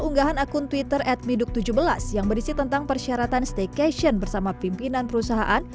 unggahan akun twitter atmiduk tujuh belas yang berisi tentang persyaratan staycation bersama pimpinan perusahaan